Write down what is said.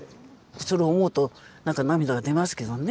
それを思うとなんか涙が出ますけどね。